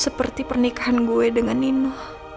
seperti pernikahan gue dengan nino